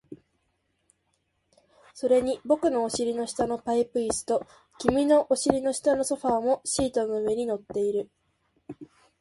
それに僕のお尻の下のパイプ椅子と、君のお尻の下のソファーもシートの上に乗っている